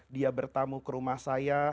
dia bertamu ke rumah saya